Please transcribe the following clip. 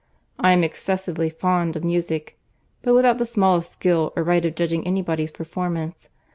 —I am excessively fond of music, but without the smallest skill or right of judging of any body's performance.